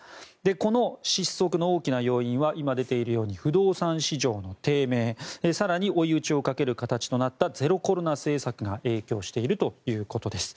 この失速の大きな要因は今出ているように不動産市場の低迷更に追い打ちをかける形となったゼロコロナ政策が影響しているということです。